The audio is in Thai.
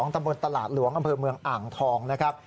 ตำบลตลาดหลวงอำเภอเมืองอ่างทองนะครับ